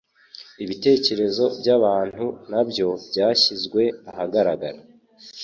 ibitekerezo by'abantu nabyo byashyizwe ahagaragara